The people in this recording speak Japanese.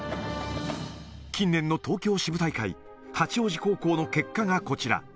近年の東京支部大会、八王子高校の結果がこちら。